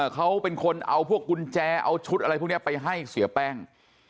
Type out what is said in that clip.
เขาเป็นคนเอาพวกกุญแจเอาชุดอะไรพวกนี้ไปให้เสียแป้ง